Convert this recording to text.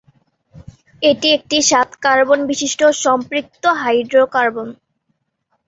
এটি একটি সাত কার্বন বিশিষ্ট সম্পৃক্ত হাইড্রোকার্বন।